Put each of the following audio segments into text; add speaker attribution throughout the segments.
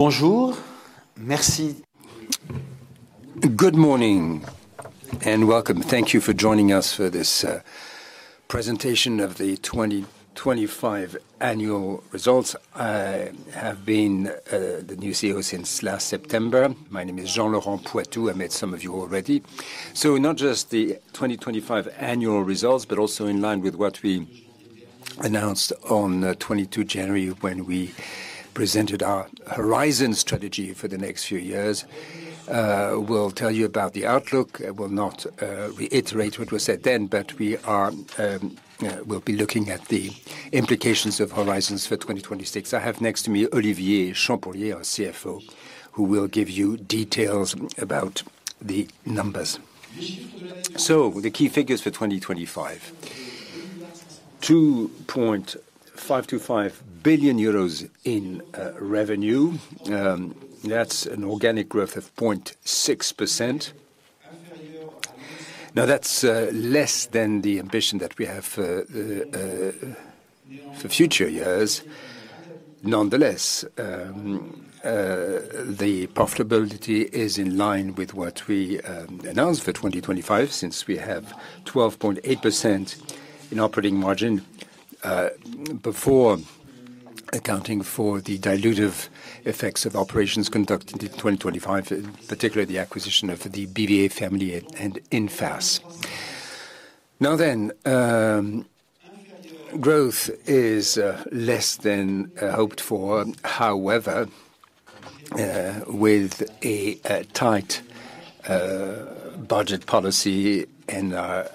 Speaker 1: Bonjour. Merci. Good morning, and welcome. Thank you for joining us for this presentation of the 2025 annual results. I have been the new Chief Executive Officer since last September. My name is Jean-Laurent Poitou. I met some of you already. Not just the 2025 annual results, but also in line with what we announced on January 22, when we presented our Horizons strategy for the next few years. We'll tell you about the outlook. I will not reiterate what was said then, but we are we'll be looking at the implications of Horizons for 2026. I have next to me, Olivier Champourlier, our Chief Financial Officer, who will give you details about the numbers. The key figures for 2025: 2.525 billion euros in revenue. That's an organic growth of 0.6%. That's less than the ambition that we have for future years. The profitability is in line with what we announced for 2025, since we have 12.8% in operating margin, before accounting for the dilutive effects of operations conducted in 2025, particularly the acquisition of The BVA Family and infas. Growth is less than hoped for. With a tight budget policy and our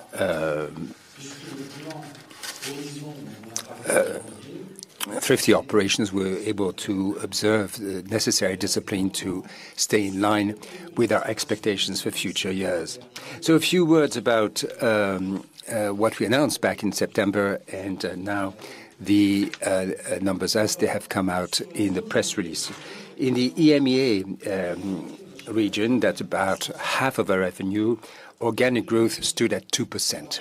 Speaker 1: 50 operations, we're able to observe the necessary discipline to stay in line with our expectations for future years. A few words about what we announced back in September, and now the numbers as they have come out in the press release. In the EMEA region, that's about half of our revenue, organic growth stood at 2%.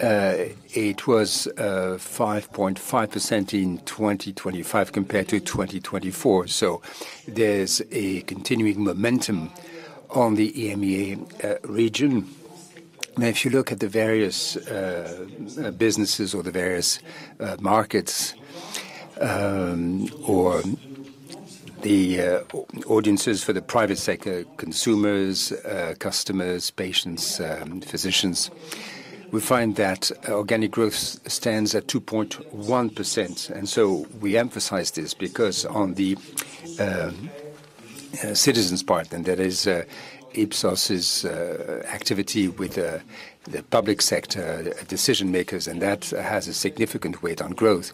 Speaker 1: It was 5.5% in 2025 compared to 2024, there's a continuing momentum on the EMEA region. If you look at the various businesses or the various markets or the audiences for the private sector, consumers, customers, patients, physicians, we find that organic growth stands at 2.1%. We emphasize this because on the citizens part, that is Ipsos's activity with the public sector decision makers, that has a significant weight on growth.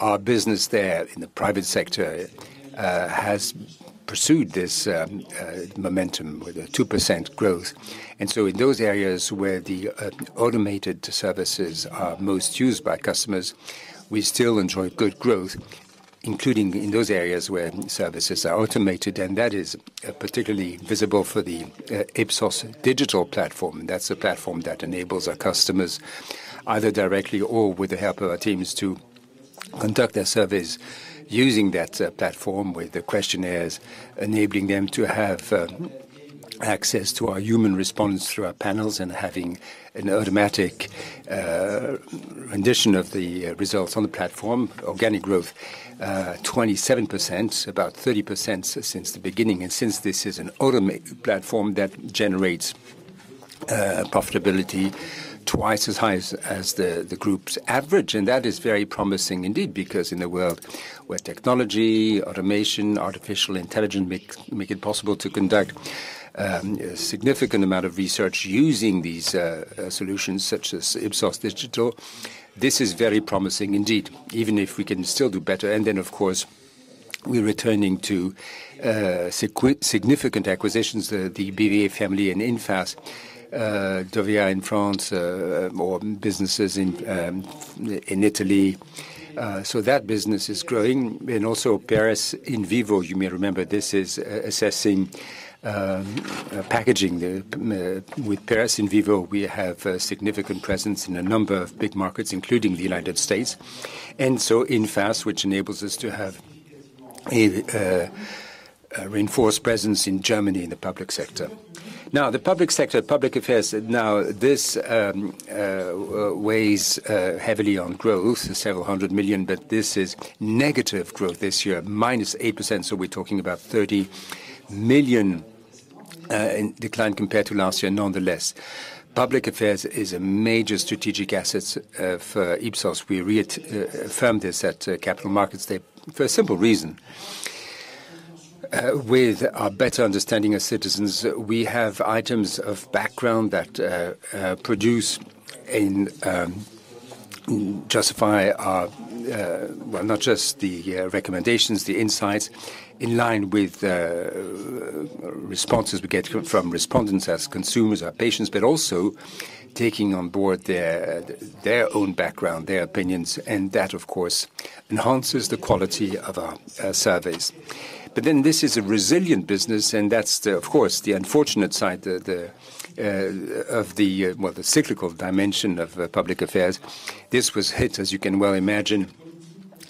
Speaker 1: Our business there in the private sector has pursued this momentum with a 2% growth. In those areas where the automated services are most used by customers, we still enjoy good growth, including in those areas where services are automated, and that is particularly visible for the Ipsos.Digital platform. That's a platform that enables our customers, either directly or with the help of our teams, to conduct their surveys using that platform, with the questionnaires, enabling them to have access to our human response through our panels and having an automatic rendition of the results on the platform. Organic growth, 27%, about 30% since the beginning. Since this is an automated platform that generates profitability twice as high as the group's average. That is very promising indeed, because in a world where technology, automation, artificial intelligence, make it possible to conduct a significant amount of research using these solutions, such as Ipsos.Digital, this is very promising indeed, even if we can still do better. Of course, we're returning to significant acquisitions, the BVA Family and infas, Wvia in France, or businesses in Italy. That business is growing. PRS IN VIVO, you may remember this, is assessing packaging. With PRS IN VIVO, we have a significant presence in a number of big markets, including the United States. infas, which enables us to have a reinforced presence in Germany, in the public sector. The public sector, public affairs, this weighs heavily on growth, several hundred million EUR, but this is negative growth this year, -8%, so we're talking about 30 million in decline compared to last year. Public affairs is a major strategic assets for Ipsos. We affirmed this at Capital Markets Day for a simple reason. With our better understanding of citizens, we have items of background that produce and justify not just the recommendations, the insights, in line with the responses we get from respondents, as consumers or patients, but also taking on board their own background, their opinions, and that, of course, enhances the quality of our surveys. This is a resilient business, and that's the, of course, the unfortunate side, the, of the, well, the cyclical dimension of public affairs. This was hit, as you can well imagine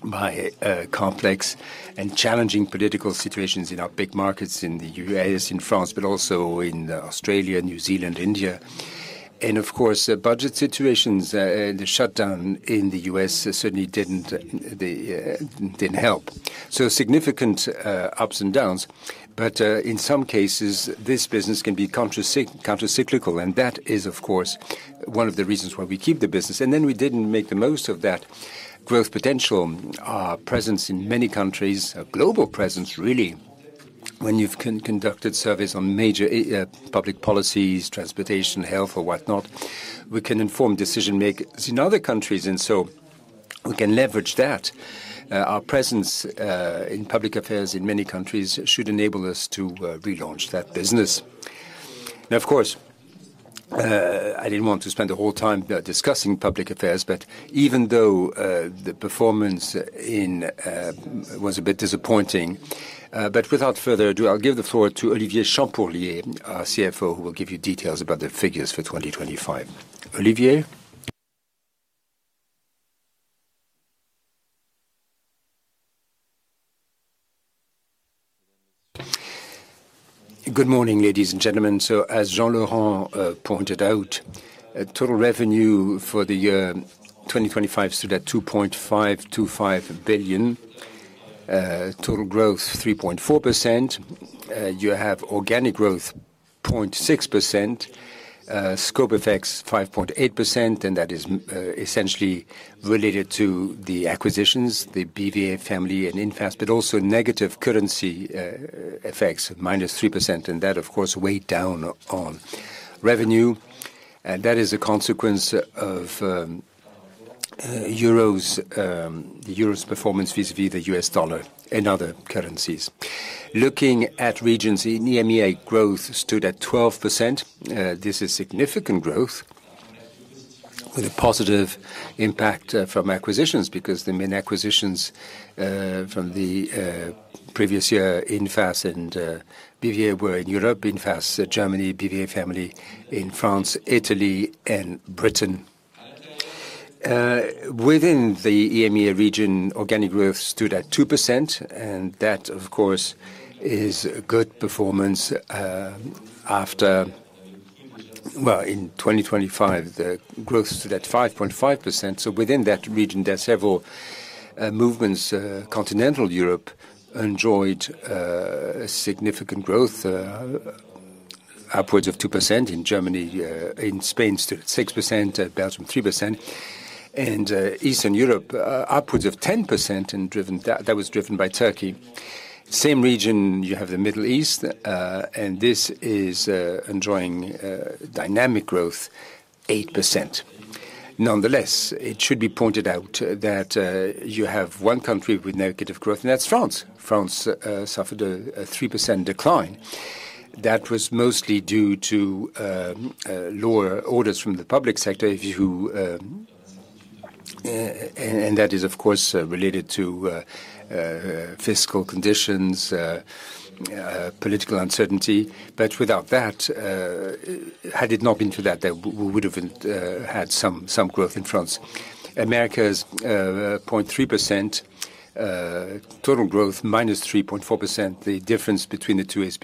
Speaker 1: by complex and challenging political situations in our big markets, in the U.S., in France, but also in Australia, New Zealand, India. The budget situations and the shutdown in the U.S. certainly didn't help. Significant ups and downs, but in some cases, this business can be countercyclical, and that is, of course, one of the reasons why we keep the business. We didn't make the most of that growth potential. Our presence in many countries, a global presence, really, when you've conducted surveys on major public policies, transportation, health, or whatnot, we can inform decision makers in other countries, we can leverage that. Our presence in public affairs in many countries should enable us to relaunch that business. I didn't want to spend the whole time discussing public affairs, but even though the performance in was a bit disappointing. Without further ado, I'll give the floor to Olivier Champourlier, our Chief Financial Officer, who will give you details about the figures for 2025. Olivier?
Speaker 2: Good morning, ladies and gentlemen. As Jean-Laurent pointed out, total revenue for the year 2025 stood at 2.525 billion. Total growth, 3.4%. You have organic growth 0.6%, scope effects 5.8%, and that is essentially related to the acquisitions, The BVA Family and infas, but also negative currency effects, -3%, and that, of course, weighed down on revenue. That is a consequence of the euro's performance vis-a-vis the US dollar and other currencies. Looking at regions, in EMEA, growth stood at 12%. This is significant growth with a positive impact from acquisitions because the main acquisitions from the previous year, infas and BVA, were in Europe. infas, Germany, BVA Family in France, Italy and Britain. Within the EMEA region, organic growth stood at 2%, and that, of course, is a good performance. In 2025, the growth stood at 5.5%. Within that region, there are several movements. Continental Europe enjoyed significant growth, upwards of 2% in Germany, in Spain, stood at 6%, Belgium, 3%. Eastern Europe upwards of 10% and that was driven by Turkey. Same region, you have the Middle East, and this is enjoying dynamic growth, 8%. Nonetheless, it should be pointed out that you have one country with negative growth, and that's France. France suffered a 3% decline. That was mostly due to lower orders from the public sector. That is, of course, related to fiscal conditions, political uncertainty. Without that, had it not been to that, we would've had some growth in France. Americas, 0.3%, total growth, -3.4%. The difference between the two is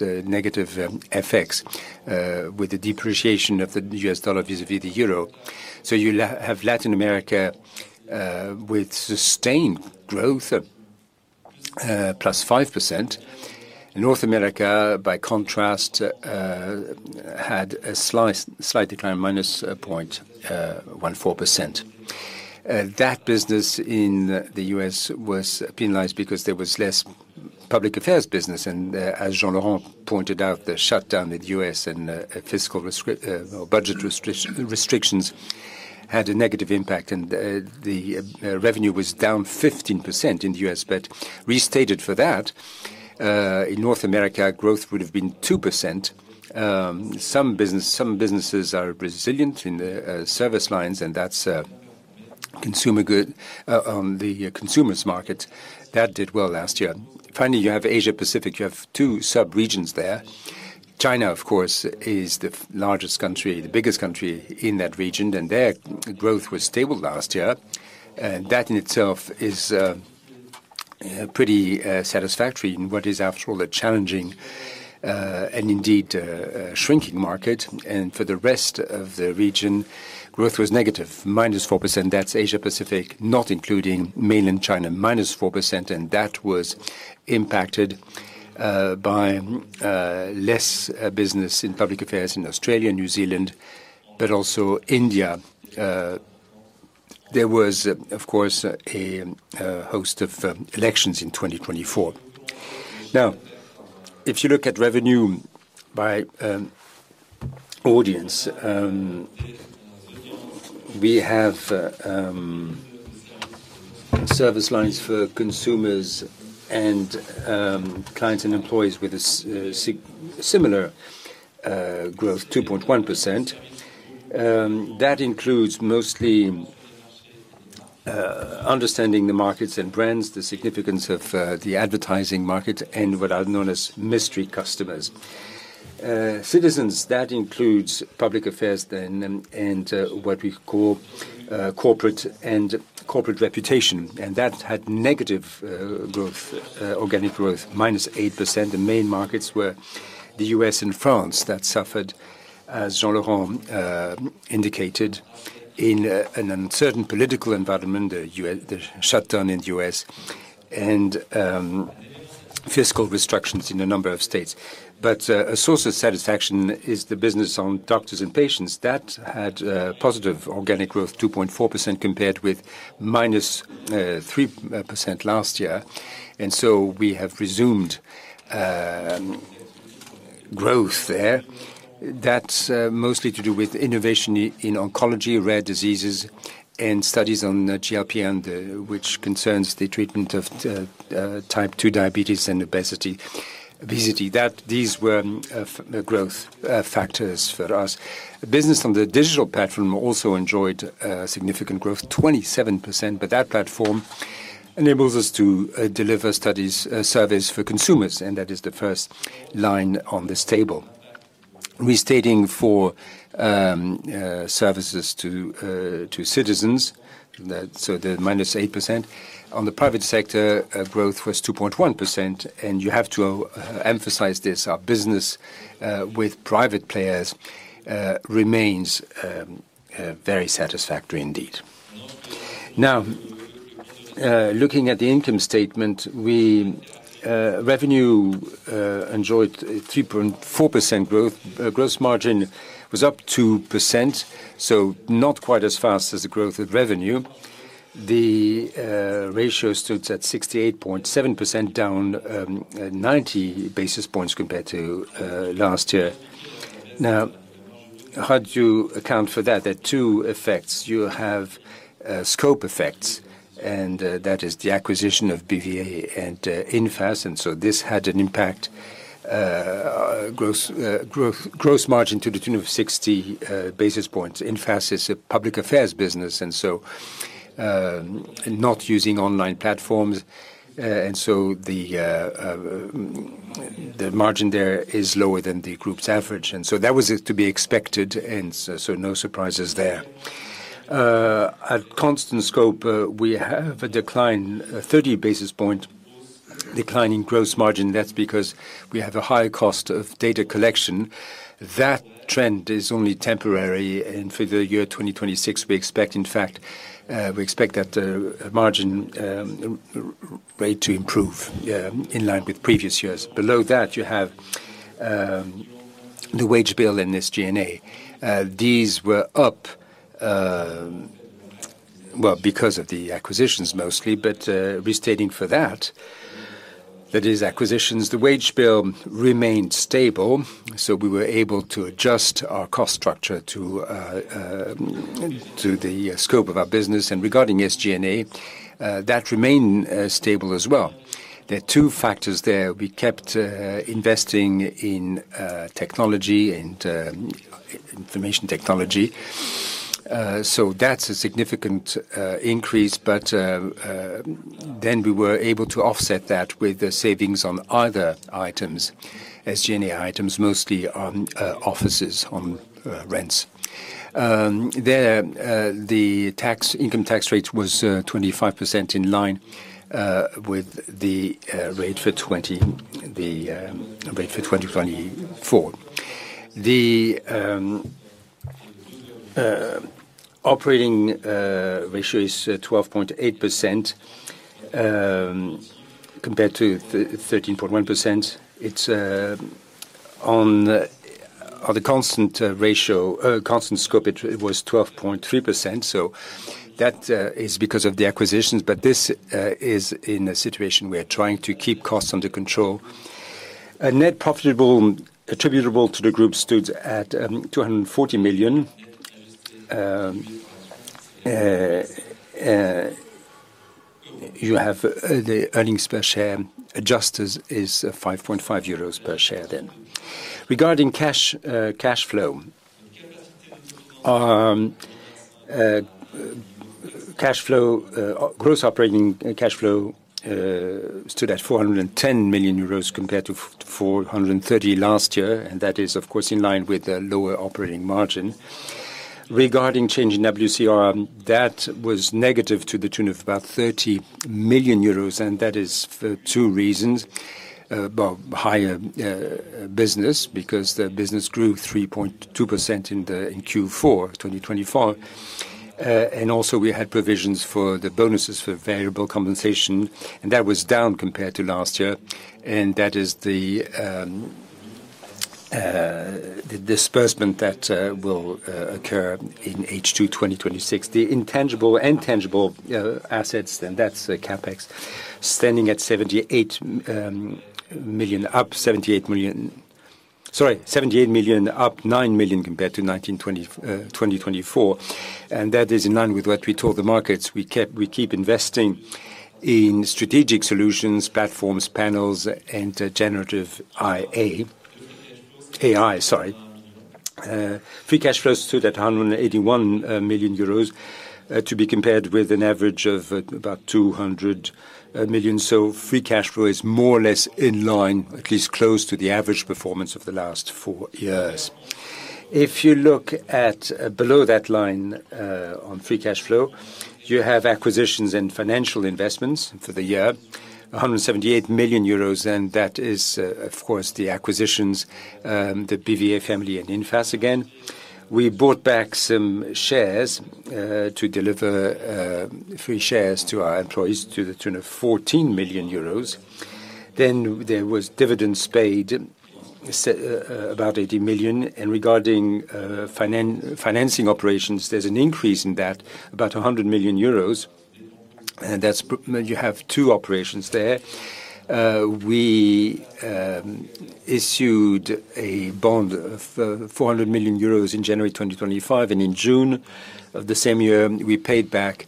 Speaker 2: negative FX with the depreciation of the US dollar vis-a-vis the euro. You have Latin America with sustained growth of +5%. North America, by contrast, had a slight decline, -0.14%. That business in the U.S. was penalized because there was less public affairs business, and as Jean-Laurent pointed out, the shutdown in the U.S. and fiscal or budget restrictions had a negative impact, and the revenue was down 15% in the U.S. Restated for that in North America, growth would have been 2%. Some businesses are resilient in the service lines, and that's consumer good, the consumers market. That did well last year. Finally, you have Asia Pacific. You have two sub-regions there. China, of course, is the largest country, the biggest country in that region. Their growth was stable last year. That in itself is pretty satisfactory in what is, after all, a challenging and indeed a shrinking market. For the rest of the region, growth was negative, -4%. That's Asia Pacific, not including mainland China, -4%, and that was impacted by less business in public affairs in Australia and New Zealand, but also India. There was, of course, a host of elections in 2024. If you look at revenue by audience, we have service lines for consumers and clients and employees with a similar growth, 2.1%. That includes mostly understanding the markets and brands, the significance of the advertising market, and what are known as mystery customers. Citizens, that includes public affairs then, and what we call corporate and corporate reputation. That had negative growth, organic growth, minus 8%. The main markets were the U.S. and France, that suffered, as Jean-Laurent indicated, in an uncertain political environment, the shutdown in the U.S. and fiscal restrictions in a number of states. A source of satisfaction is the business on doctors and patients. That had positive organic growth, 2.4%, compared with -3% last year. We have resumed growth there. That's mostly to do with innovation in oncology, rare diseases, and studies on GLP, which concerns the treatment of type 2 diabetes and obesity. These were the growth factors for us. The business on the digital platform also enjoyed significant growth, 27%, but that platform enables us to deliver studies, surveys for consumers, and that is the first line on this table. Restating for services to citizens, the -8%. On the private sector, growth was 2.1%, and you have to emphasize this, our business with private players remains very satisfactory indeed. Looking at the income statement, revenue enjoyed a 3.4% growth. Gross margin was up 2%, not quite as fast as the growth of revenue. The ratio stood at 68.7%, down 90 basis points compared to last year. How do you account for that? There are two effects. You have scope effects, that is the acquisition of BVA and infas, this had an impact, gross margin to the tune of 60 basis points. infas is a public affairs business, not using online platforms, the margin there is lower than the group's average, that was to be expected, no surprises there. At constant scope, we have a decline, a 30 basis point decline in gross margin. That's because we have a higher cost of data collection. That trend is only temporary. For the year 2026, we expect, in fact, that margin rate to improve in line with previous years. Below that, you have the wage bill in this SG&A. These were up, well, because of the acquisitions mostly, restating for that is acquisitions, the wage bill remained stable, we were able to adjust our cost structure to the scope of our business. Regarding SG&A, that remained stable as well. There are two factors there. We kept investing in technology and information technology. That's a significant increase, we were able to offset that with the savings on other items, SG&A items, mostly on offices, on rents. There the income tax rate was 25% in line with the rate for 2024. The operating ratio is 12.8% compared to 13.1%. It's on the constant ratio, constant scope, it was 12.3% because of the acquisitions, this is in a situation we are trying to keep costs under control. A net profitable attributable to the group stood at 240 million. You have the earnings per share adjusted is 5.5 euros per share. Regarding cash flow. Cash flow, gross operating cash flow, stood at 410 million euros compared to 430 million last year, and that is, of course, in line with the lower operating margin. Regarding change in WCRM, that was negative to the tune of about 30 million euros, and that is for two reasons. Higher business, because the business grew 3.2% in Q4 2024. Also, we had provisions for the bonuses for variable compensation, and that was down compared to last year, and that is the disbursement that will occur in H2 2026. The intangible and tangible assets, and that's CapEx, standing at 78 million, sorry, up 9 million compared to 1920, 2024. That is in line with what we told the markets. We keep investing in strategic solutions, platforms, panels, and generative AI, sorry. Free cash flows stood at 181 million euros, to be compared with an average of about 200 million. Free cash flow is more or less in line, at least close to the average performance of the last four years. If you look at below that line, on free cash flow, you have acquisitions and financial investments for the year, 178 million euros, that is, of course, the acquisitions, The BVA Family and infas again. We bought back some shares to deliver free shares to our employees to the tune of 14 million euros. There was dividends paid about 80 million. Regarding financing operations, there's an increase in that, about 100 million euros, and that's You have two operations there. We issued a bond of 400 million euros in January 2025, and in June of the same year, we paid back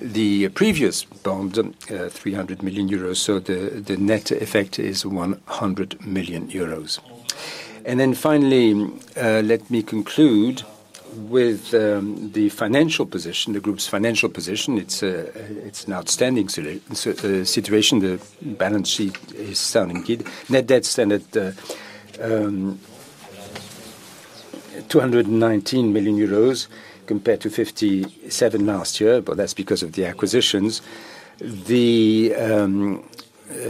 Speaker 2: the previous bond 300 million euros, so the net effect is 100 million euros. Finally, let me conclude with the financial position, the group's financial position. It's an outstanding situation. The balance sheet is sounding good. Net debt stand at 219 million euros compared to 57 million last year. That's because of the acquisitions. The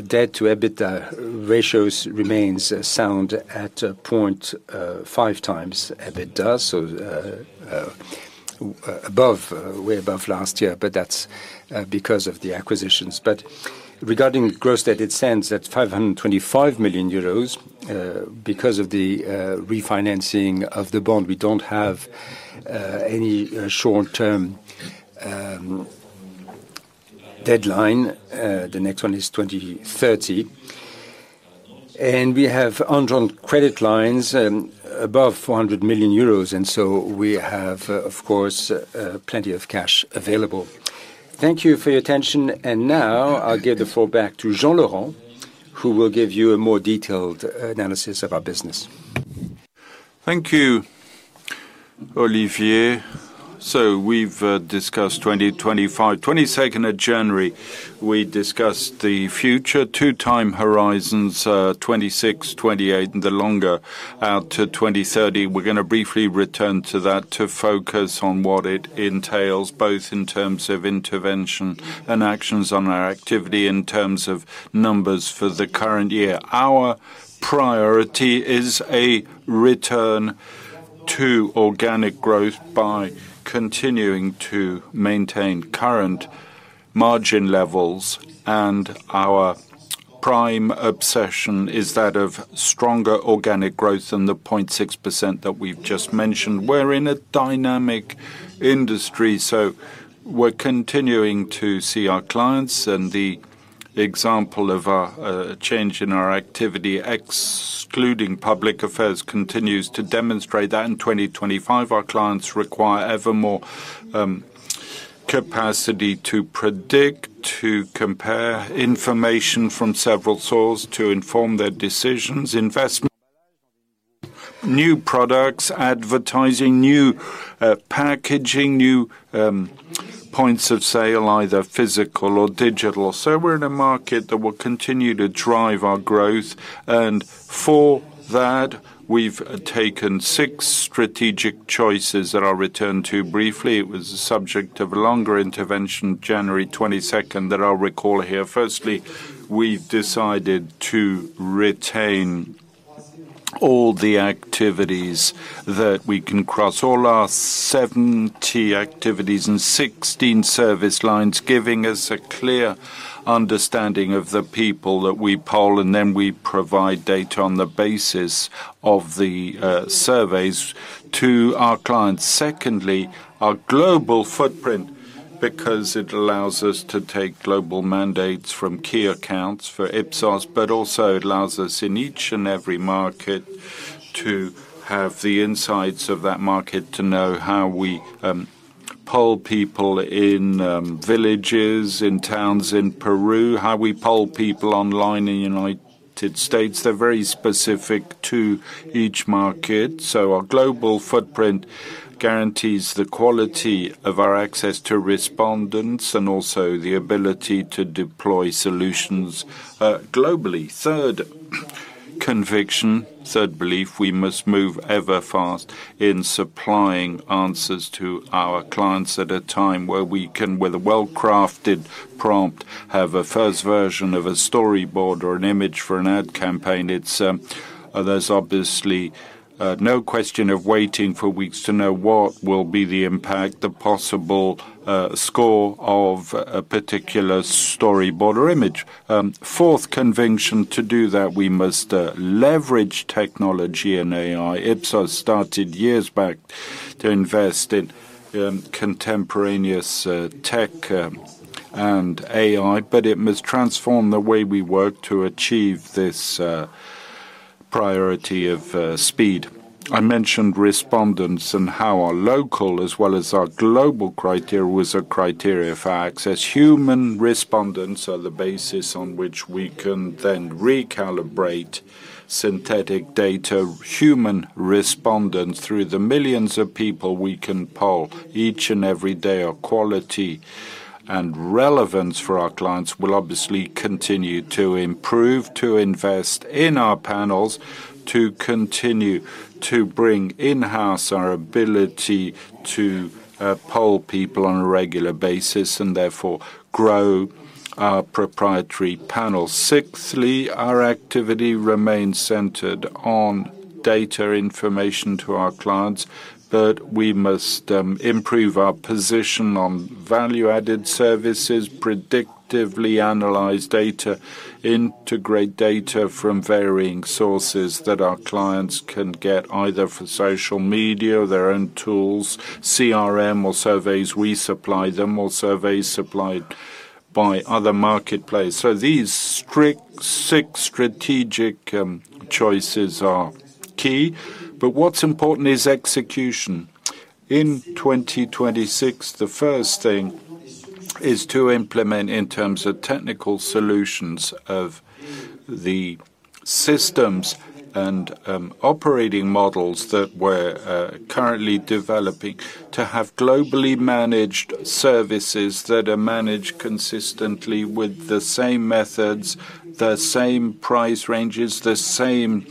Speaker 2: debt to EBITDA ratios remains sound at 0.5 times EBITDA, so way above last year. That's because of the acquisitions. Regarding gross debt, it stands at 525 million euros. Because of the refinancing of the bond, we don't have any short-term deadline. The next one is 2030. We have undrawn credit lines above 400 million euros. We have, of course, plenty of cash available. Thank you for your attention. Now, I'll give the floor back to Jean Laurent, who will give you a more detailed analysis of our business.
Speaker 1: Thank you, Olivier. We've discussed 2025. January 22nd, we discussed the future two-time horizons, 2026, 2028, and the longer out to 2030. We're gonna briefly return to that to focus on what it entails, both in terms of intervention and actions on our activity in terms of numbers for the current year. Our priority is a return to organic growth by continuing to maintain current margin levels, our prime obsession is that of stronger organic growth than the 0.6% that we've just mentioned. We're in a dynamic industry, so we're continuing to see our clients, and the example of our change in our activity, excluding public affairs, continues to demonstrate that in 2025, our clients require ever more capacity to predict, to compare information from several sources to inform their decisions, investment, new products, advertising, new packaging, new points of sale, either physical or digital. We're in a market that will continue to drive our growth, and for that, we've taken six strategic choices that I'll return to briefly. It was a subject of a longer intervention, January 22nd, that I'll recall here. We've decided to retain all the activities that we can cross all our 70 activities and 16 service lines, giving us a clear understanding of the people that we poll, and then we provide data on the basis of the surveys to our clients. Our global footprint, because it allows us to take global mandates from key accounts for Ipsos, but also it allows us, in each and every market, to have the insights of that market, to know how we poll people in villages, in towns in Peru, how we poll people online in United States. They're very specific to each market. Our global footprint guarantees the quality of our access to respondents and also the ability to deploy solutions globally. Third conviction, third belief, we must move ever fast in supplying answers to our clients at a time where we can, with a well-crafted prompt, have a first version of a storyboard or an image for an ad campaign. It's, There's obviously no question of waiting for weeks to know what will be the impact, the possible score of a particular storyboard or image. Fourth conviction to do that, we must leverage technology and AI. Ipsos started years back to invest in contemporaneous tech and AI, but it must transform the way we work to achieve this priority of speed. I mentioned respondents and how our local as well as our global criteria was a criteria for access. Human respondents are the basis on which we can then recalibrate synthetic data. Human respondents, through the millions of people we can poll each and every day, are quality, and relevance for our clients will obviously continue to improve, to invest in our panels, to continue to bring in-house our ability to poll people on a regular basis, and therefore grow our proprietary panel. Sixthly, our activity remains centered on data information to our clients, but we must improve our position on value-added services, predictively analyze data, integrate data from varying sources that our clients can get, either from social media or their own tools, CRM or surveys we supply them, or surveys supplied by other marketplace. These six strategic choices are key. What's important is execution. In 2026, the first thing is to implement, in terms of technical solutions, of the systems and operating models that we're currently developing, to have Globally Managed Services that are managed consistently with the same methods, the same price ranges, the same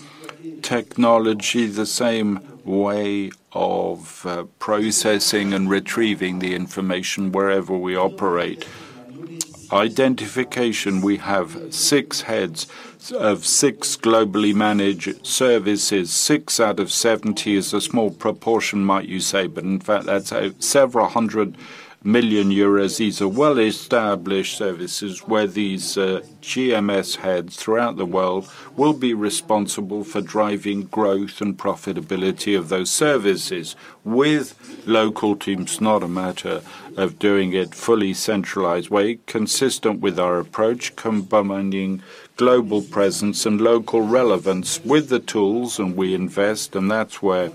Speaker 1: technology, the same way of processing and retrieving the information wherever we operate. Identification, we have six heads of six Globally Managed Services. six out of 70 is a small proportion, might you say, but in fact, that's a several hundred million EUR. These are well-established services, where these GMS heads throughout the world will be responsible for driving growth and profitability of those services with local teams. Not a matter of doing it fully centralized way, consistent with our approach, combining global presence and local relevance with the tools, and we invest, and that's where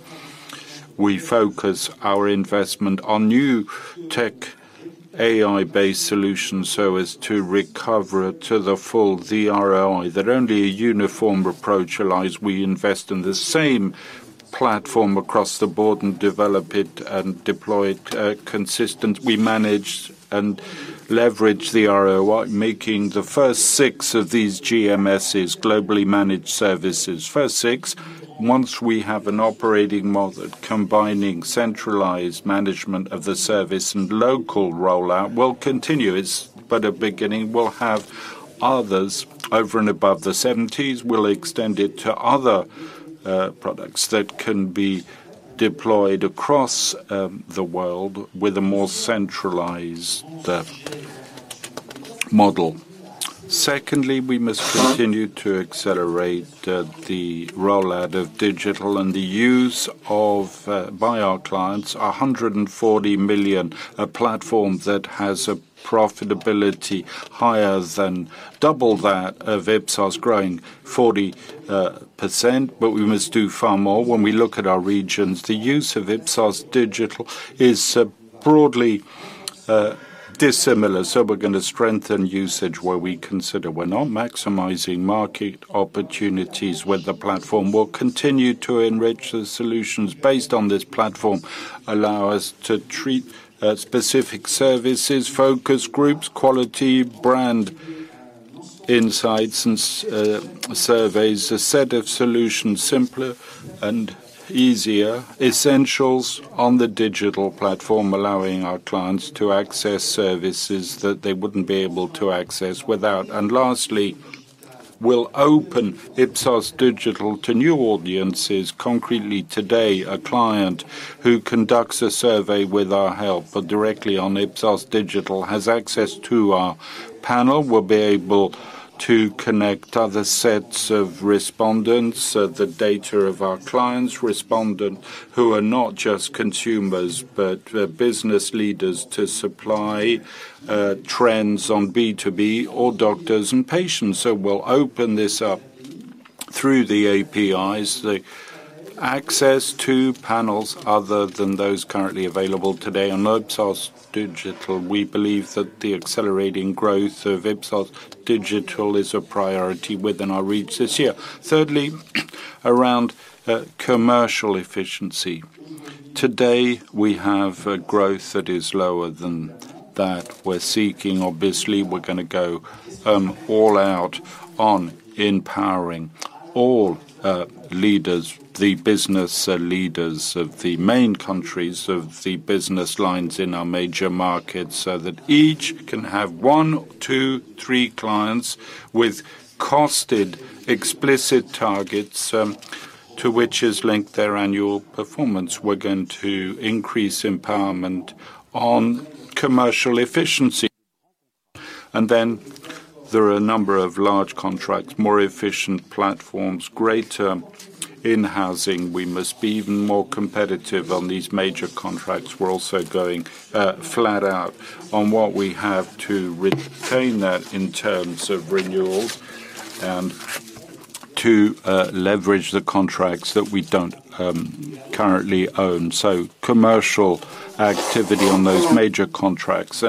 Speaker 1: we focus our investment on new tech AI-based solutions so as to recover to the full ROI that only a uniform approach allows. We invest in the same platform across the board and develop it and deploy it consistent. We manage and leverage the ROI, making the first six of these GMSs, Globally Managed Services. First six, once we have an operating model, combining centralized management of the service and local rollout, we'll continue it, but a beginning, we'll have others over and above the seventies. We'll extend it to other products that can be deployed across the world with a more centralized model. Secondly, we must continue to accelerate the rollout of digital and the use by our clients, 140 million, a platform that has a profitability higher than double that of Ipsos growing 40%. We must do far more. When we look at our regions, the use of Ipsos.Digital is broadly dissimilar, so we're gonna strengthen usage where we consider we're not maximizing market opportunities. With the platform, we'll continue to enrich the solutions based on this platform, allow us to treat specific services, focus groups, quality, brand insights and surveys, a set of solutions, simpler and easier, essentials on the digital platform, allowing our clients to access services that they wouldn't be able to access without. Lastly, we'll open Ipsos.Digital to new audiences. Concretely today, a client who conducts a survey with our help, but directly on Ipsos.Digital, has access to our panel, will be able to connect other sets of respondents, the data of our clients, respondents who are not just consumers, but business leaders, to supply trends on B2B or doctors and patients. We'll open this up through the APIs, the access to panels other than those currently available today on Ipsos.Digital. We believe that the accelerating growth of Ipsos.Digital is a priority within our reach this year. Thirdly, around commercial efficiency. Today, we have a growth that is lower than that we're seeking. Obviously, we're gonna go all out on empowering all leaders, the business leaders of the main countries of the business lines in our major markets, so that each can have one, two, three clients with costed explicit targets, to which is linked their annual performance. We're going to increase empowerment on commercial efficiency. There are a number of large contracts, more efficient platforms, greater in housing, we must be even more competitive on these major contracts. We're also going flat out on what we have to retain that in terms of renewals and to leverage the contracts that we don't currently own. Commercial activity on those major contracts.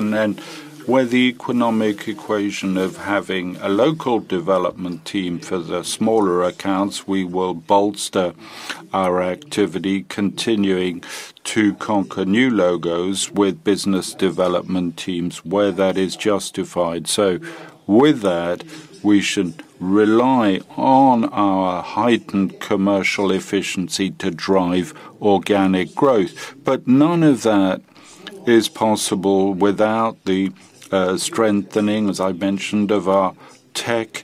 Speaker 1: Where the economic equation of having a local development team for the smaller accounts, we will bolster our activity, continuing to conquer new logos with business development teams, where that is justified. With that, we should rely on our heightened commercial efficiency to drive organic growth. None of that is possible without the strengthening, as I mentioned, of our tech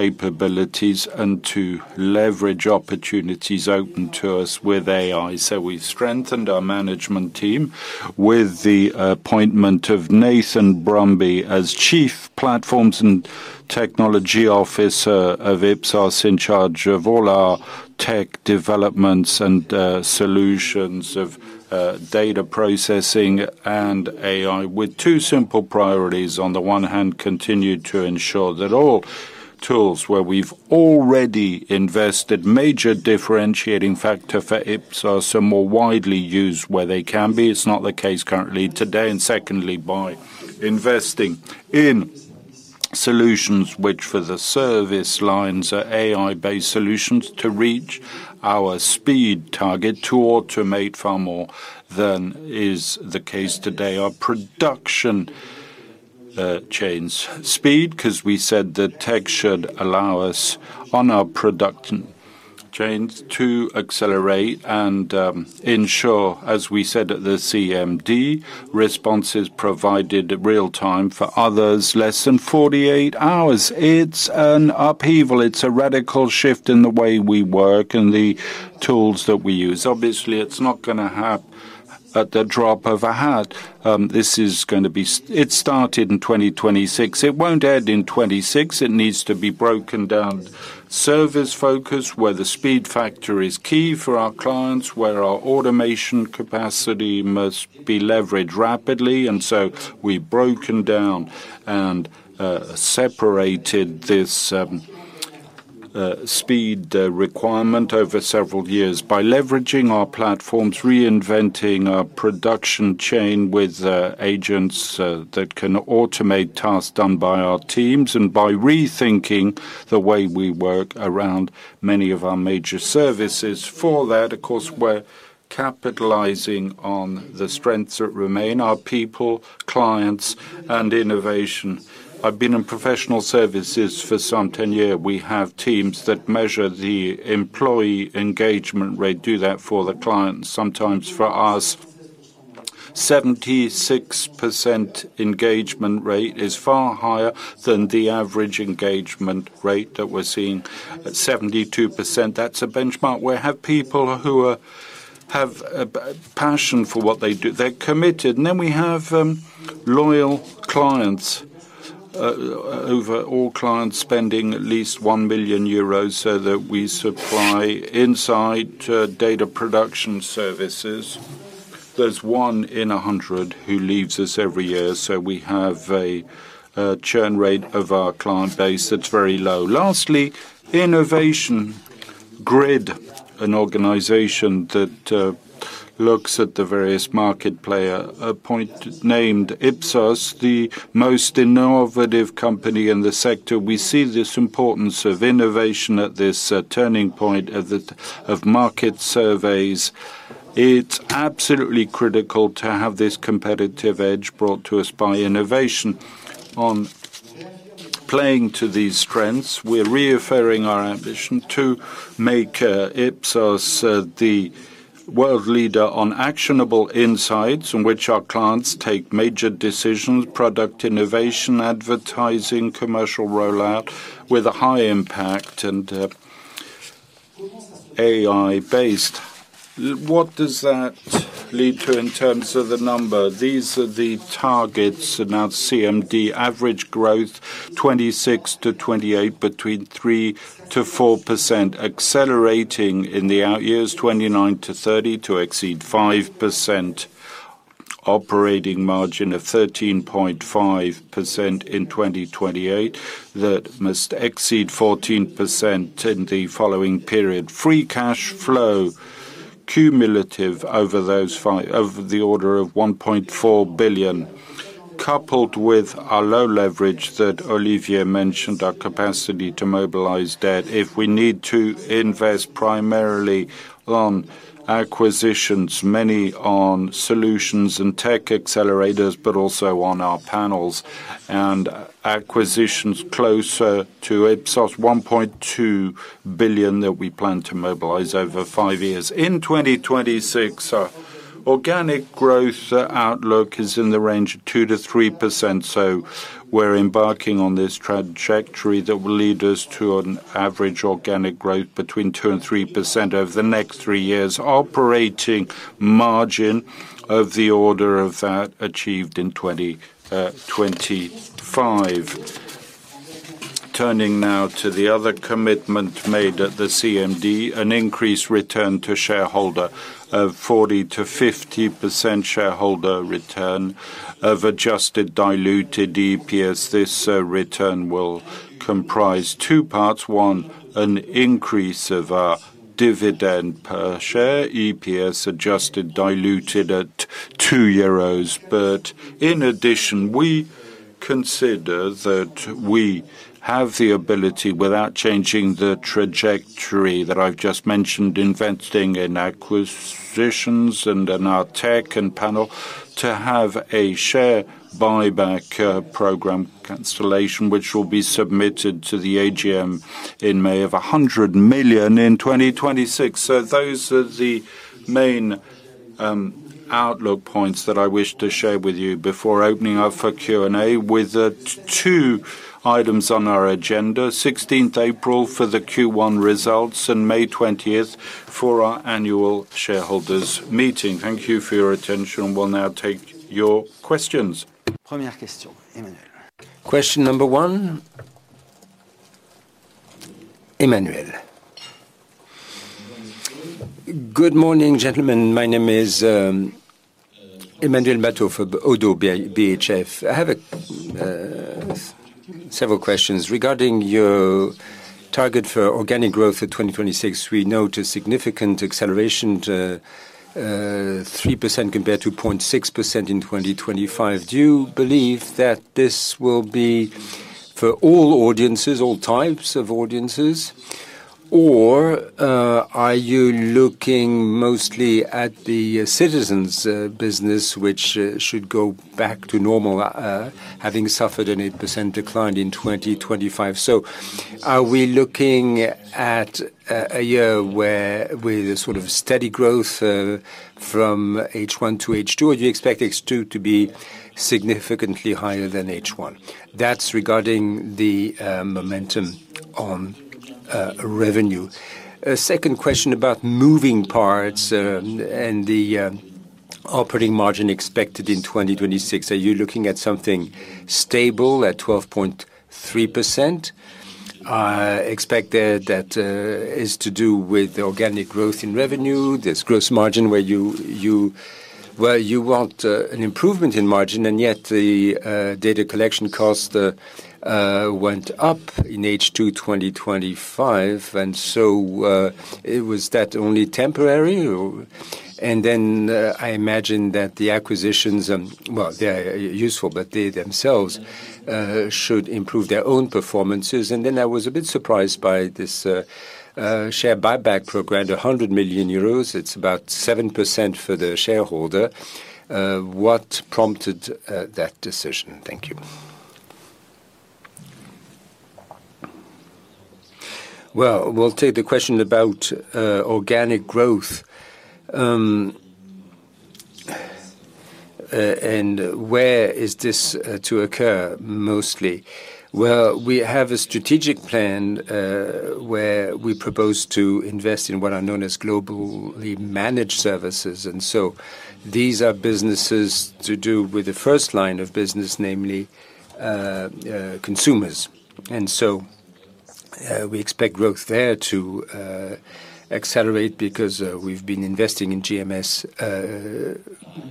Speaker 1: capabilities, and to leverage opportunities open to us with AI. We've strengthened our management team with the appointment of Nathan Brumby as Chief Platforms and Technology Officer of Ipsos, in charge of all our tech developments and solutions of data processing and AI, with two simple priorities. On the one hand, continue to ensure that all tools where we've already invested, major differentiating factor for Ipsos, are more widely used where they can be. It's not the case currently today. Secondly, by investing in solutions which, for the service lines, are AI-based solutions to reach our speed target, to automate far more than is the case today. Our production chains speed, 'cause we said that tech should allow us on our production chains to accelerate and ensure, as we said at the CMD, responses provided real time, for others, less than 48 hours. It's an upheaval. It's a radical shift in the way we work and the tools that we use. Obviously, it's not gonna happen at the drop of a hat. It started in 2026. It won't end in 2026. It needs to be broken down. Service focus, where the speed factor is key for our clients, where our automation capacity must be leveraged rapidly. We've broken down and separated this speed requirement over several years by leveraging our platforms, reinventing our production chain with agents that can automate tasks done by our teams, and by rethinking the way we work around many of our major services. For that, of course, we're capitalizing on the strengths that remain: our people, clients, and innovation. I've been in professional services for some 10 years. We have teams that measure the employee engagement rate, do that for the clients, sometimes for us. 76% engagement rate is far higher than the average engagement rate that we're seeing at 72%. That's a benchmark. We have people who have a passion for what they do. They're committed. We have loyal clients, over all clients spending at least 1 million euros, so that we supply inside data production services. There's one in 100 who leaves us every year, we have a churn rate of our client base that's very low. Lastly, GRIT Report, an organization that looks at the various market player, appointed, named Ipsos the most innovative company in the sector. We see this importance of innovation at this turning point of the market surveys. It's absolutely critical to have this competitive edge brought to us by innovation. On playing to these strengths, we're reaffirming our ambition to make Ipsos the world leader on actionable insights in which our clients take major decisions, product innovation, advertising, commercial rollout, with a high impact and AI-based. What does that lead to in terms of the number? These are the targets announced CMD: average growth, 2026-2028, between 3%-4%, accelerating in the out years, 2029-2030, to exceed 5%. Operating margin of 13.5% in 2028, that must exceed 14% in the following period. Free cash flow, cumulative over those five, of the order of 1.4 billion, coupled with our low leverage that Olivier mentioned, our capacity to mobilize debt, if we need to invest primarily on acquisitions, many on solutions and tech accelerators, but also on our panels and acquisitions closer to Ipsos' 1.2 billion that we plan to mobilize over five years. In 2026, our organic growth outlook is in the range of 2%-3%. We're embarking on this trajectory that will lead us to an average organic growth between 2% and 3% over the next three years. Operating margin of the order of that achieved in 2025. Turning now to the other commitment made at the CMD, an increased return to shareholder of 40%-50% shareholder return of adjusted diluted EPS. This return will comprise two parts. One, an increase of our dividend per share, EPS, adjusted, diluted at 2 euros. In addition, we consider that we have the ability, without changing the trajectory that I've just mentioned, investing in acquisitions and in our tech and panel, to have a share buyback program cancellation, which will be submitted to the AGM in May of 100 million in 2026. Those are the main outlook points that I wish to share with you before opening up for Q&A, with two items on our agenda: April 16th for the Q1 results and May 20th for our annual shareholders meeting. Thank you for your attention. We'll now take your questions.
Speaker 3: Question number one, Emmanuel.
Speaker 4: Good morning, gentlemen. My name is Emmanuel Matot from ODDO BHF. I have several questions. Regarding your target for organic growth for 2026, we note a significant acceleration to 3% compared to 0.6% in 2025. Do you believe that this will be for all audiences, all types of audiences, or are you looking mostly at the citizens business, which should go back to normal, having suffered an 8% decline in 2025? Are we looking at a year where with a sort of steady growth from H1 to H2, or do you expect H2 to be significantly higher than H1? That's regarding the momentum on revenue. Second question about moving parts and the operating margin expected in 2026. Are you looking at something stable at 12.3%? Expect that is to do with the organic growth in revenue, this gross margin, where you, well, you want an improvement in margin, and yet the data collection cost went up in H2 2025, it was that only temporary? I imagine that the acquisitions, well, they're useful, but they themselves should improve their own performances. I was a bit surprised by this share buyback program, 100 million euros. It's about 7% for the shareholder. What prompted that decision? Thank you.
Speaker 1: Well, we'll take the question about organic growth, where is this to occur mostly? Well, we have a strategic plan where we propose to invest in what are known as Globally Managed Services. These are businesses to do with the first line of business, namely, consumers. We expect growth there to accelerate because we've been investing in GMS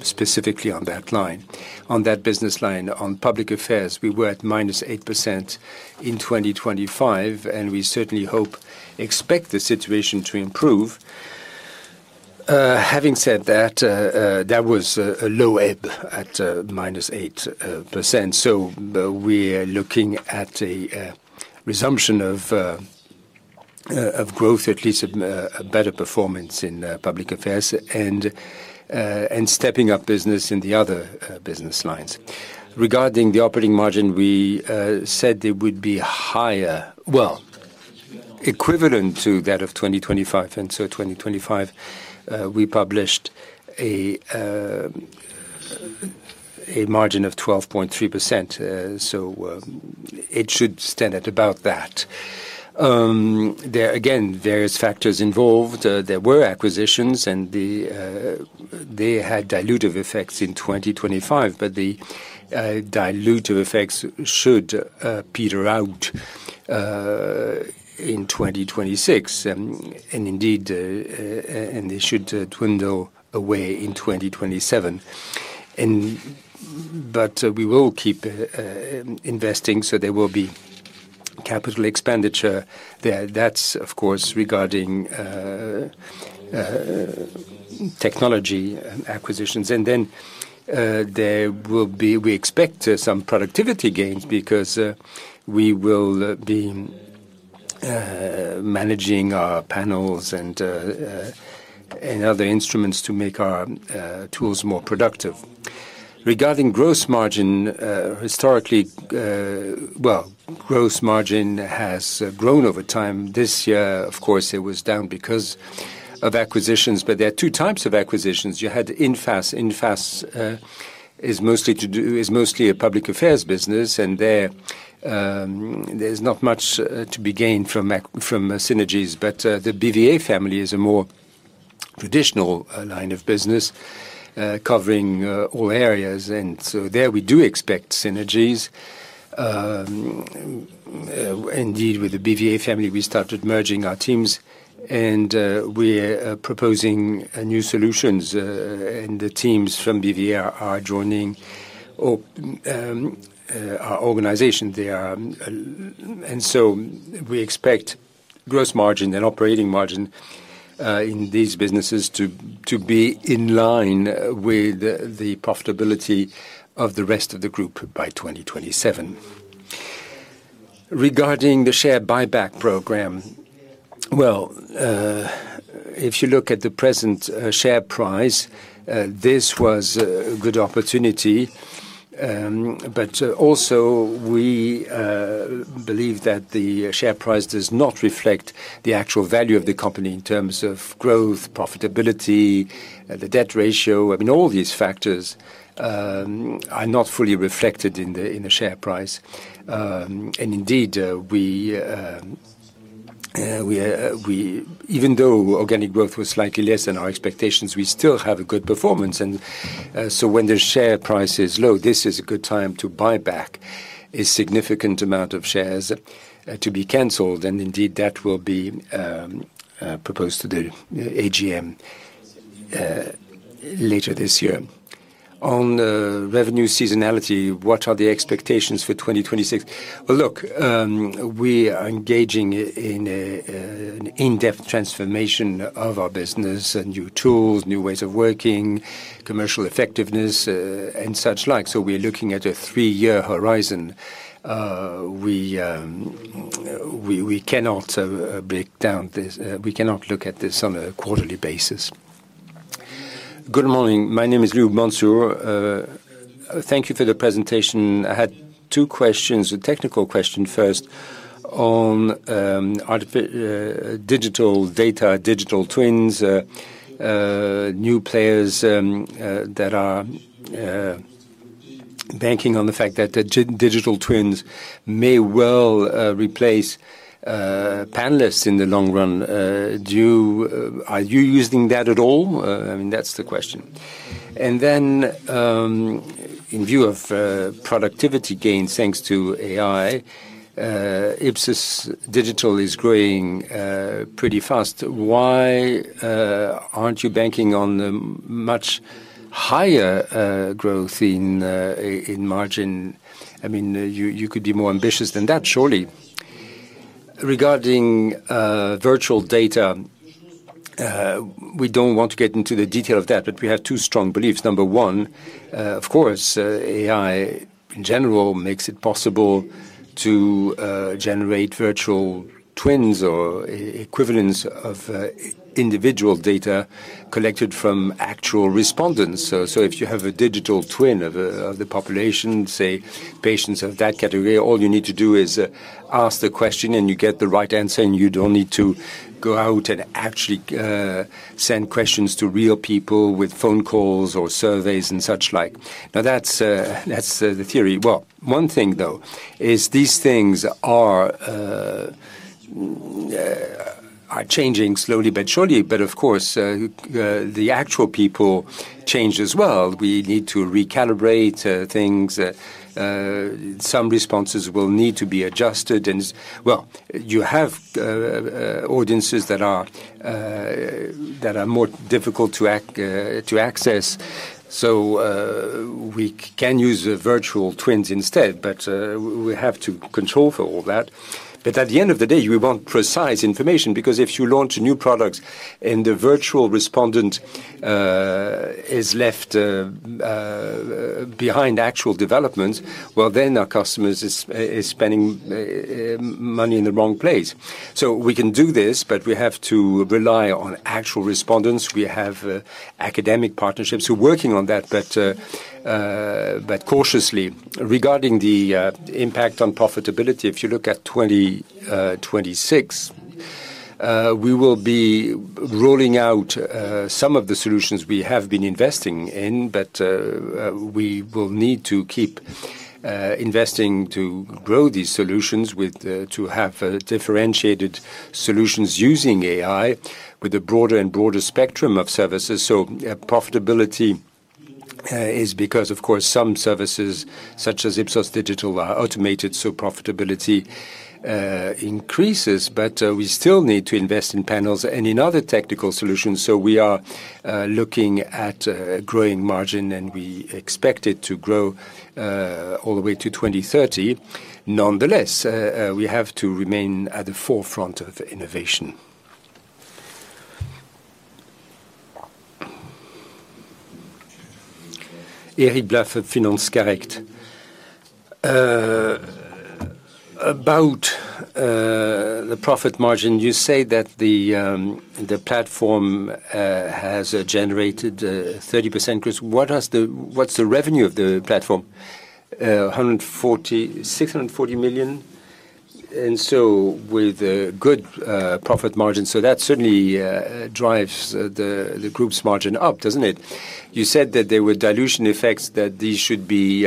Speaker 1: specifically on that line, on that business line. On public affairs, we were at -8% in 2025, and we certainly hope, expect the situation to improve. Having said that was a low ebb at -8%. We are looking at a resumption of growth, at least a better performance in public affairs and stepping up business in the other business lines. Regarding the operating margin, we said it would be higher, well, equivalent to that of 2025, and so 2025, we published a margin of 12.3%. It should stand at about that. There, again, various factors involved. There were acquisitions, and they had dilutive effects in 2025, but the dilutive effects should peter out in 2026, and indeed, they should dwindle away in 2027. But we will keep investing, so there will be Capital Expenditure there. That's of course regarding technology acquisitions. We expect some productivity gains because we will be managing our panels and other instruments to make our tools more productive. Regarding gross margin, historically, well, gross margin has grown over time. This year, of course, it was down because of acquisitions, but there are two types of acquisitions. You had infas. infas is mostly a public affairs business, and there's not much to be gained from synergies. The BVA Family is a more traditional line of business, covering all areas. There we do expect synergies. Indeed, with The BVA Family, we started merging our teams, and we are proposing new solutions, and the teams from BVA are joining all our organization. We expect gross margin and operating margin in these businesses to be in line with the profitability of the rest of the group by 2027. Regarding the share buyback program, well, if you look at the present share price, this was a good opportunity. Also, we believe that the share price does not reflect the actual value of the company in terms of growth, profitability, the debt ratio. I mean, all these factors are not fully reflected in the share price. Indeed, even though organic growth was slightly less than our expectations, we still have a good performance, and so when the share price is low, this is a good time to buy back a significant amount of shares to be canceled. Indeed, that will be proposed to the AGM later this year.
Speaker 4: On the revenue seasonality, what are the expectations for 2026?
Speaker 1: We are engaging in an in-depth transformation of our business and new tools, new ways of working, commercial effectiveness, and such like. We're looking at a three-year horizon. We cannot break down this. We cannot look at this on a quarterly basis.
Speaker 5: Good morning. My name is Laurence Stoclet. Thank you for the presentation. I had two questions. A technical question first, on digital data, digital twins, new players that are banking on the fact that the digital twins may well replace panelists in the long run. Are you using that at all? I mean, that's the question. In view of productivity gains, thanks to AI, Ipsos.Digital is growing pretty fast. Why aren't you banking on the much higher growth in margin? I mean, you could be more ambitious than that, surely.
Speaker 1: Regarding virtual data, we don't want to get into the detail of that, but we have two strong beliefs. Number one, of course, AI, in general, makes it possible to generate virtual twins or e-equivalents of individual data collected from actual respondents. If you have a digital twin of the population, say, patients of that category, all you need to do is ask the question and you get the right answer, and you don't need to go out and actually send questions to real people with phone calls or surveys and such like. That's the theory. Well, one thing, though, is these things are changing slowly but surely. Of course, the actual people change as well. We need to recalibrate things. Some responses will need to be adjusted, and... You have audiences that are more difficult to act, to access, so we can use the virtual twins instead, but we have to control for all that. At the end of the day, we want precise information, because if you launch a new product and the virtual respondent is left behind actual development, well, then our customers is spending money in the wrong place. We can do this, but we have to rely on actual respondents. We have academic partnerships, we're working on that, but cautiously. Regarding the impact on profitability, if you look at 2026, we will be rolling out some of the solutions we have been investing in, but we will need to keep investing to grow these solutions with to have differentiated solutions using AI with a broader and broader spectrum of services. Profitability is because, of course, some services, such as Ipsos Digital, are automated, so profitability increases. We still need to invest in panels and in other technical solutions, so we are looking at growing margin, and we expect it to grow all the way to 2030. Nonetheless, we have to remain at the forefront of innovation.
Speaker 6: Eric Blain of Finance Connect. About the profit margin, you say that the platform has generated a 30% growth. What's the revenue of the platform? 640 million, and so with a good profit margin. That certainly drives the group's margin up, doesn't it? You said that there were dilution effects, that these should be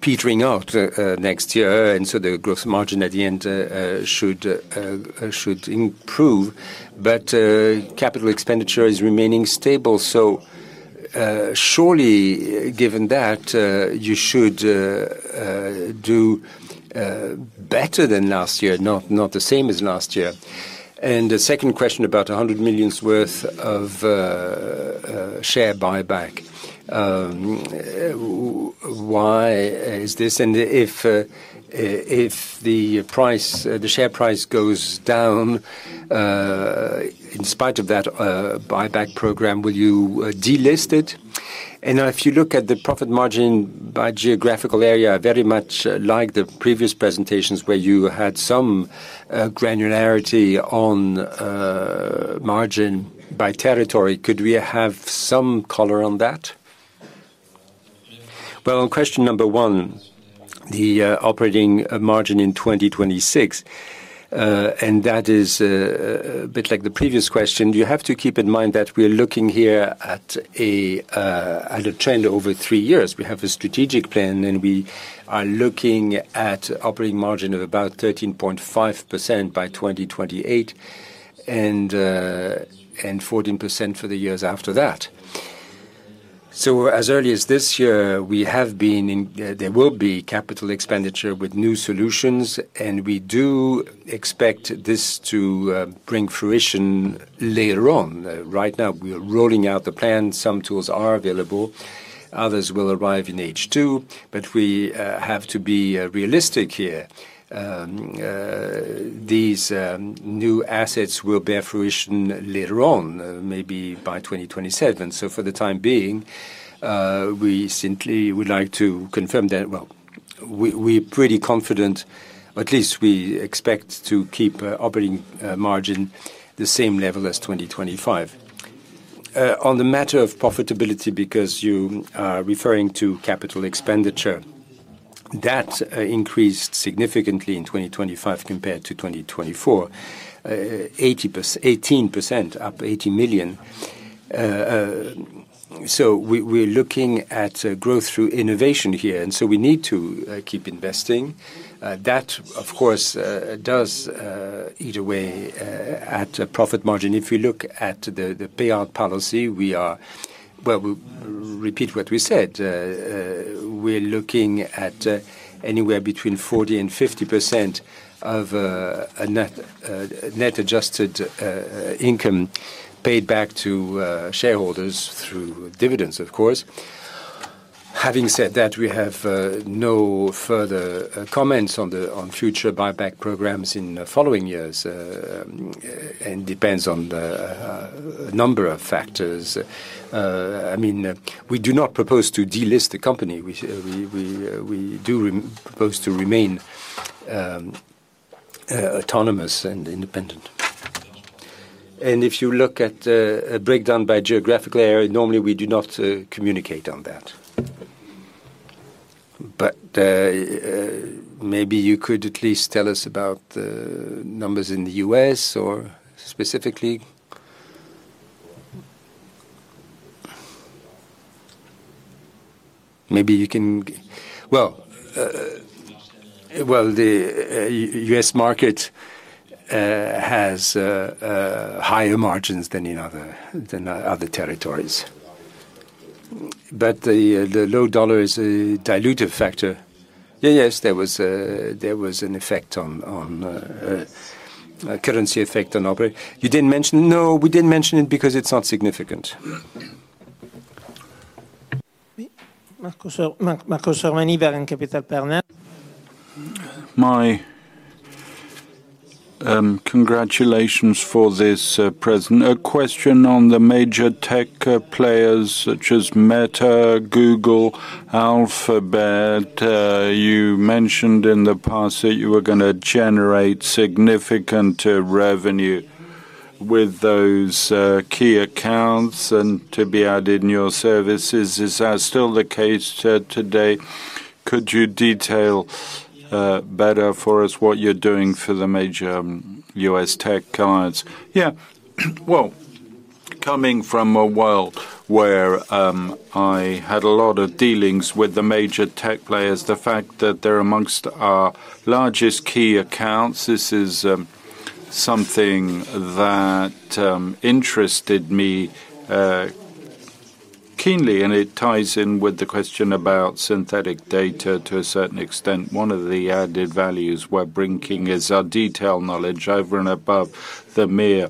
Speaker 6: petering out next year, and so the growth margin at the end should improve. Capital Expenditure is remaining stable. Surely, given that, you should do better than last year, not the same as last year. The second question, about 100 million's worth of share buyback. Why is this? If the price, the share price goes down, in spite of that buyback program, will you delist it? Now if you look at the profit margin by geographical area, very much like the previous presentations, where you had some granularity on margin by territory, could we have some color on that?
Speaker 1: Well, on question number one, the operating margin in 2026, and that is a bit like the previous question. You have to keep in mind that we're looking here at a trend over three years. We have a strategic plan, and we are looking at operating margin of about 13.5% by 2028, and 14% for the years after that. As early as this year, we have been in. There will be CapEx with new solutions, and we do expect this to bring fruition later on. Right now, we are rolling out the plan. Some tools are available, others will arrive in H2. But we have to be realistic here. These new assets will bear fruition later on, maybe by 2027. For the time being, we simply would like to confirm that, well, we're pretty confident, at least we expect to keep operating margin the same level as 2025. On the matter of profitability, because you are referring to capital expenditure, that increased significantly in 2025 compared to 2024. 18%, up 80 million. We're looking at growth through innovation here, we need to keep investing. That, of course, does eat away at profit margin. If you look at the payout policy, Well, we repeat what we said. We're looking at anywhere between 40% and 50% of a net adjusted income paid back to shareholders through dividends, of course. Having said that, we have no further comments on future buyback programs in the following years. Depends on the number of factors. I mean, we do not propose to delist the company. We do propose to remain autonomous and independent. If you look at a breakdown by geographical area, normally we do not communicate on that.
Speaker 6: Maybe you could at least tell us about the numbers in the U.S. or specifically?
Speaker 1: Well, the U.S. market has higher margins than other territories. The low US dollar is a dilutive factor. Yes, there was an effect on a currency effect on our.
Speaker 6: You didn't mention?
Speaker 1: No, we didn't mention it because it's not significant.
Speaker 7: Marco Sormani, Varenne Capital Partners. My congratulations for this present. A question on the major tech players, such as Meta, Google, Alphabet. You mentioned in the past that you were gonna generate significant revenue with those key accounts and to be added in your services. Is that still the case today? Could you detail better for us what you're doing for the major U.S. tech clients?
Speaker 1: Yeah. Coming from a world where I had a lot of dealings with the major tech players, the fact that they're amongst our largest key accounts, this is something that interested me keenly, and it ties in with the question about synthetic data to a certain extent. One of the added values we're bringing is our detailed knowledge over and above the mere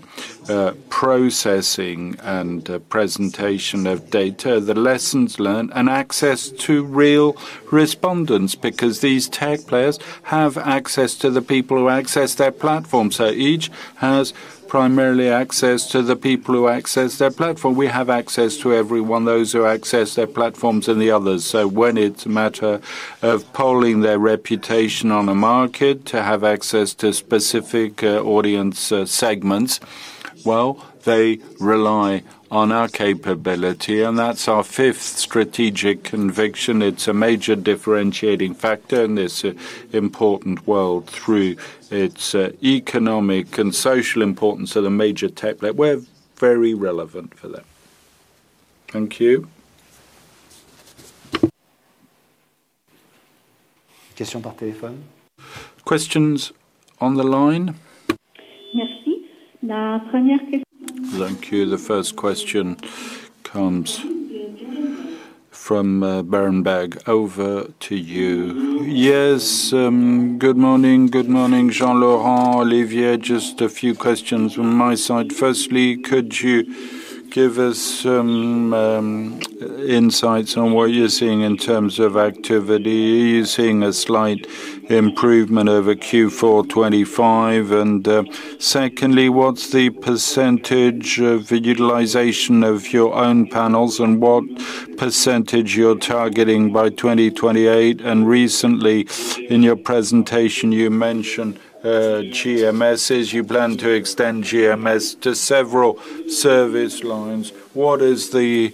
Speaker 1: processing and presentation of data, the lessons learned, and access to real respondents, because these tech players have access to the people who access their platform. Each has primarily access to the people who access their platform. We have access to everyone, those who access their platforms and the others. When it's a matter of polling their reputation on the market, to have access to specific audience segments, well, they rely on our capability, and that's our fifth strategic conviction. It's a major differentiating factor in this important world through its economic and social importance to the major tech players. We're very relevant for them.
Speaker 7: Thank you.
Speaker 2: Question part telephone? Questions on the line?
Speaker 3: Merci. Thank you. The first question comes from Berenberg. Over to you.
Speaker 8: Yes, good morning, Jean-Laurent, Olivier. Just a few questions from my side. Firstly, could you give us some insights on what you're seeing in terms of activity? Are you seeing a slight improvement over Q4 25? Secondly, what's the % of the utilization of your own panels, and what % you're targeting by 2028? Recently, in your presentation, you mentioned GMSs. You plan to extend GMS to several service lines. What is the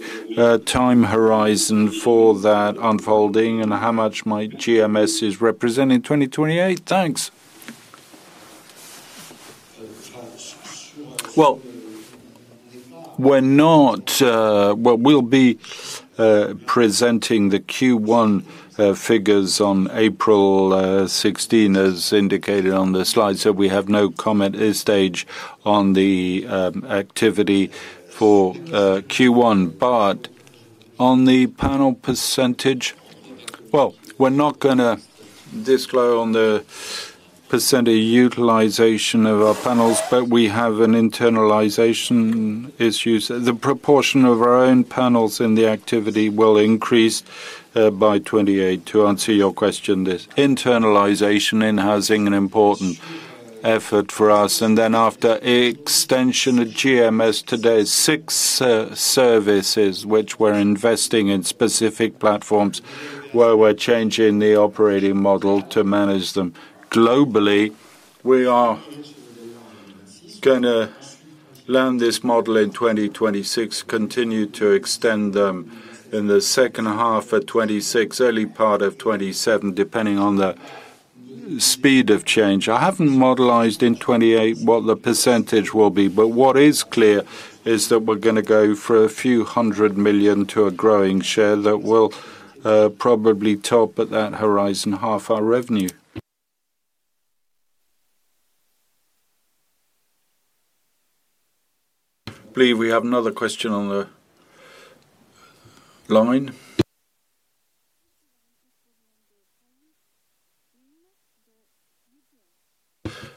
Speaker 8: time horizon for that unfolding, and how much might GMSs represent in 2028? Thanks.
Speaker 1: Well, we'll be presenting the Q1 figures on April 16th, as indicated on the slide. We have no comment this stage on the activity for Q1. On the panel percentage, well, we're not gonna disclose on the percentage utilization of our panels, but we have an internalization issues. The proportion of our own panels in the activity will increase by 28 to answer your question, this internalization in housing an important effort for us, and then after extension of GMS, today, six services which we're investing in specific platforms, where we're changing the operating model to manage them globally. We are gonna learn this model in 2026, continue to extend them in the second half of 2026, early part of 2027, depending on the speed of change. I haven't modelized in 28 what the percentage will be, but what is clear, is that we're gonna go for EUR few hundred million to a growing share that will probably top at that horizon, half our revenue.
Speaker 3: I believe we have another question on the line.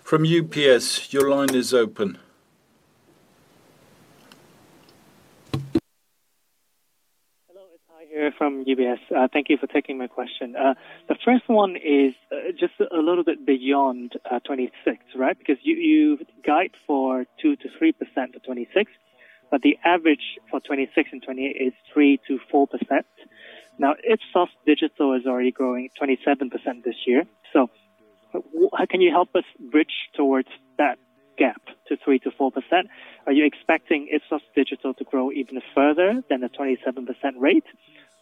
Speaker 3: From UBS, your line is open.
Speaker 9: Hello, it's I here from UBS. Thank you for taking my question. The first one is just a little bit beyond 2026, right? Because you guide for 2%-3% to 2026, but the average for 2026 and 2028 is 3%-4%. Now, Ipsos Digital is already growing 27% this year, so how can you help us bridge towards that gap to 3%-4%? Are you expecting Ipsos Digital to grow even further than the 27% rate,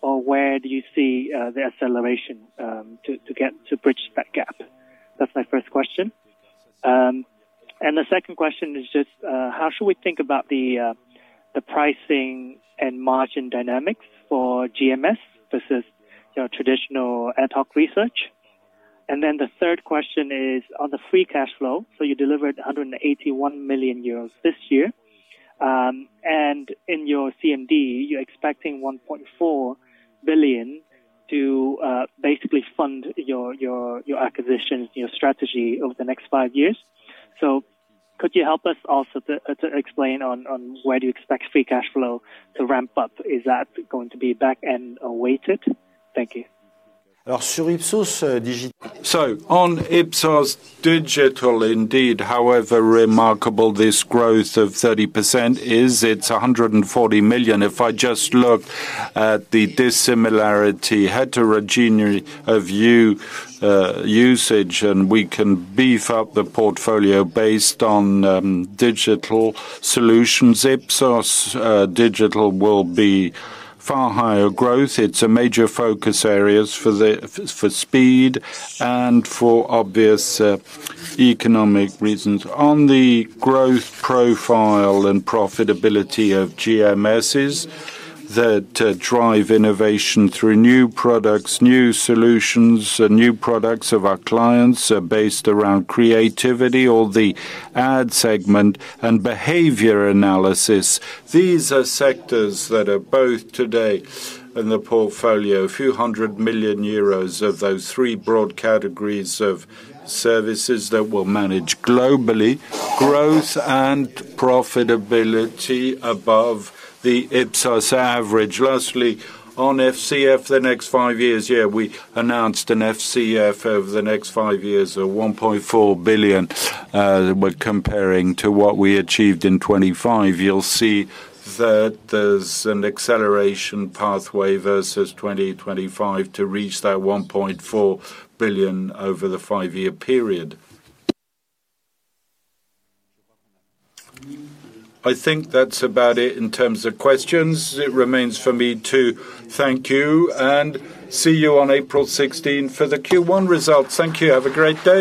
Speaker 9: or where do you see the acceleration to get to bridge that gap? That's my first question. The second question is just how should we think about the pricing and margin dynamics for GMS versus, you know, traditional ad hoc research? The third question is on the free cash flow. You delivered 181 million euros this year. In your CMD, you're expecting 1.4 billion to basically fund your, your acquisitions, your strategy over the next five years. Could you help us also to explain on where do you expect free cash flow to ramp up? Is that going to be back and awaited? Thank you.
Speaker 1: On Ipsos.Digital, indeed, however remarkable this growth of 30% is, it's 140 million. If I just look at the dissimilarity, heterogeneity of usage, and we can beef up the portfolio based on digital solutions. Ipsos.Digital will be far higher growth. It's a major focus areas for speed and for obvious economic reasons. On the growth profile and profitability of GMSs that drive innovation through new products, new solutions, and new products of our clients are based around creativity or the ad segment and behavior analysis. These are sectors that are both today in the portfolio, a few hundred million EUR of those three broad categories of services that we'll manage globally, growth and profitability above the Ipsos average. On FCF, the next five years, yeah, we announced an FCF over the next five years of 1.4 billion. We're comparing to what we achieved in 25. You'll see that there's an acceleration pathway versus 2025 to reach that 1.4 billion over the five-year period. I think that's about it in terms of questions. It remains for me to thank you and see you on April 16 for the Q1 results. Thank you. Have a great day.